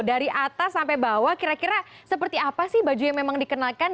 dari atas sampai bawah kira kira seperti apa sih baju yang memang dikenakan